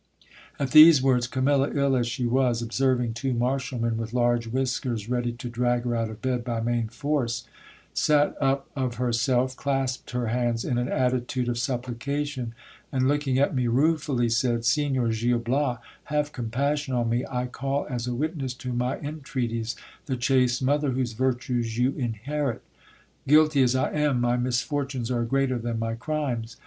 At these words, Camilla, ill as she was, observing two marshalmen with large whiskers ready to drag her out of bed by main force, sat up of herself, clasped her hands in an attitude of supplication ; and looking at me ruefully, said, Signor Gil Bias, have compassion on me : I call as a witness to my en treaties the chaste mother whose virtues you inherit. Guilty as I am, my mis fortunes are greater than my crimes.